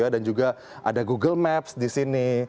dan juga ada google maps di sini